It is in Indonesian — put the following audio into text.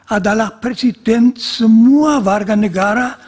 adalah presiden semua warga negara